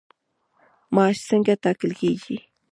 معاش څنګه ټاکل کیږي؟